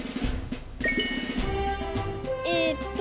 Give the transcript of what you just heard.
えっと